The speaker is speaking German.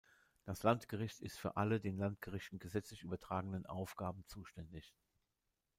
Das Landgericht ist für alle den Landgerichten gesetzlich übertragenen Aufgaben zuständig.